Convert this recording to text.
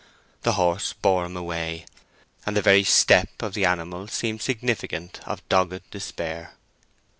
The horse bore him away, and the very step of the animal seemed significant of dogged despair.